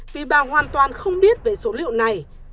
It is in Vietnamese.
vì bà hoàn toàn không biết về số liệu này